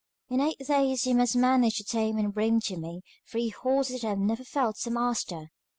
In eight days you must manage to tame and bring to me three horses that have never felt a master.